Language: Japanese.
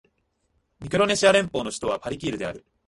ミクロネシア連邦の首都はパリキールである